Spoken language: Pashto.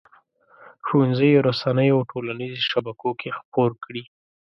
ښوونځیو، رسنیو او ټولنیزو شبکو کې خپور کړي.